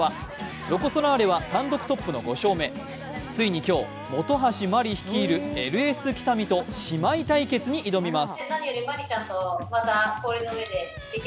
ロコ・ソラーレは単独トップの５勝目、ついに今日、本橋麻里率いるＬＳ北見と姉妹対決に挑みます。